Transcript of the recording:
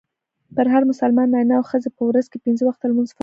پر هر مسلمان نارينه او ښځي په ورځ کي پنځه وخته لمونځ فرض دئ.